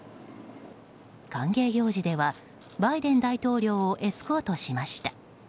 歓迎行事ではバイデン大統領をエスコートしました。